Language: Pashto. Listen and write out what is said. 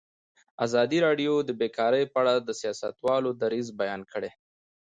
ازادي راډیو د بیکاري په اړه د سیاستوالو دریځ بیان کړی.